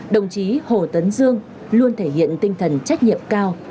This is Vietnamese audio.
đồng chí hồ tấn dương luôn thể hiện tinh thần trách nhiệm cao